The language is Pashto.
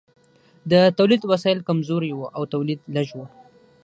د تولید وسایل کمزوري وو او تولید لږ و.